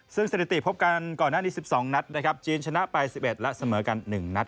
ซึ่งสถิติพบกันก่อนหน้านี้๑๒นัดนะครับจีนชนะไป๑๑และเสมอกัน๑นัด